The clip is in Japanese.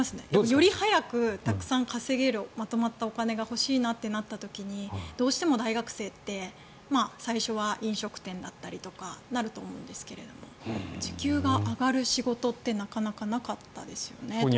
より早くたくさん稼げるまとまったお金が欲しいとなった時にどうしても大学生って最初は飲食店だったりとかになると思うんですが時給が上がる仕事ってなかなかなかったですよね。